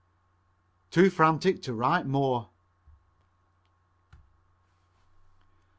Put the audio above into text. Too frantic to write more.